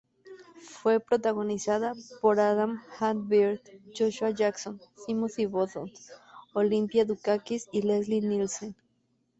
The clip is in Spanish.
Fue protagonizada por Adam Hann-Byrd, Joshua Jackson, Timothy Bottoms, Olympia Dukakis y Leslie Nielsen.